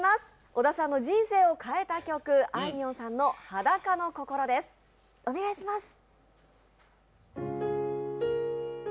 小田さんの人生を変えた曲あいみょんさんの「裸の心」です、お願いします。